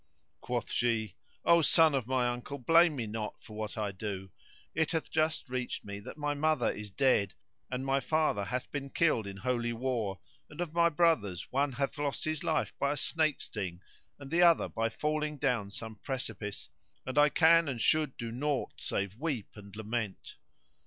Quoth she:—O son of my uncle, blame me not for what I do; it hath just reached me that my mother is dead, and my father hath been killed in holy war, and of my brothers one hath lost his life by a snake sting and the other by falling down some precipice; and I can and should do naught save weep and lament.